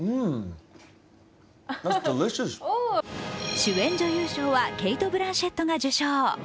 主演女優賞はケイト・ブランシェットが受賞。